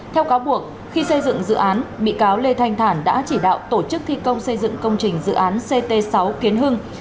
theo cáo buộc khi xây dựng dự án bị cáo lê thanh thản đã chỉ đạo tổ chức thi công xây dựng công trình dự án ct sáu kiến hưng